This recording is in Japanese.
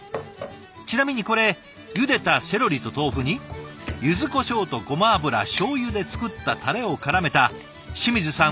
ちなみにこれゆでたセロリと豆腐にゆずこしょうとごま油しょうゆで作ったたれをからめた清水さん